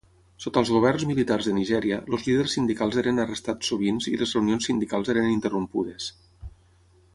Sota els governs militars de Nigèria, els líders sindicals eren arrestats sovint i les reunions sindicals eren interrompudes.